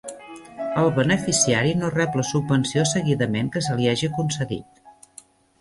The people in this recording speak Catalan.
El beneficiari no rep la subvenció seguidament que se li hagi concedit.